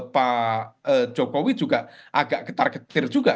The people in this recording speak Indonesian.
pak jokowi juga agak getar ketir juga